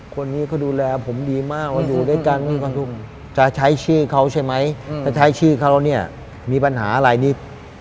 คนนี้เขาดูแลผมดีมากว่าอยู่ด้วยกันจะใช้ชื่อเขาใช่ไหมถ้าใช้ชื่อเขาเนี่ยมีปัญหาอะไรนี่